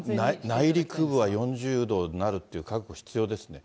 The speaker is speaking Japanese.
内陸部は４０度になるって、覚悟必要ですね。